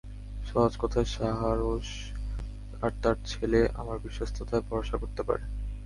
সহজ কথায়, সারস আর তার ছেলে আমার বিশ্বস্ততায় ভরসা করতে পারে।